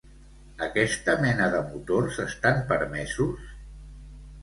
Aquesta mena de motors estan permesos?